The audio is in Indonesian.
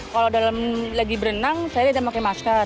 kalau dalam lagi berenang saya ada pakai masker